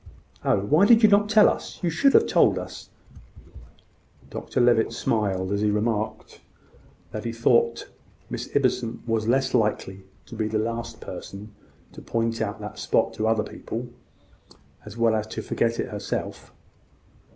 "Oh, why did you not tell us? You should have told us." Dr Levitt smiled as he remarked that he thought Miss Ibbotson was likely to be the last person to point out that spot to other people, as well as to forget it herself.